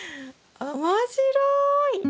面白い！